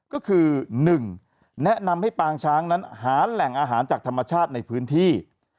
ก็คือ๑แนะนำให้ปางช้างนั้นหาแหล่งอาหารจากธรรมชาติในพื้นที่